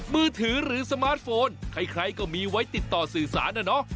มือถือหรือสมาร์ทโฟนใครก็มีไว้ติดต่อสื่อสารนะเนาะ